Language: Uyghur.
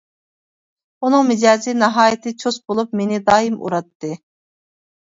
ئۇنىڭ مىجەزى ناھايىتى چۇس بولۇپ مېنى دائىم ئۇراتتى.